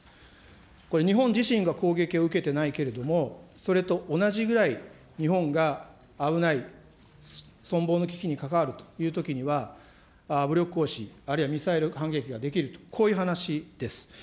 これ、日本自身が攻撃を受けてないけれども、それと同じぐらい日本が危ない、存亡の危機に関わるというときには、武力行使、あるいはミサイル反撃ができると、こういう話です。